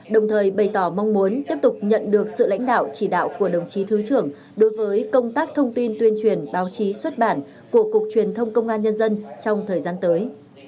đồng thời bày tỏ mong muốn tiếp tục nhận được sự lãnh đạo chỉ đạo của đồng chí thứ trưởng đối với công tác thông tin tuyên truyền báo chí xuất bản của cục truyền thông công an nhân dân trong thời gian tới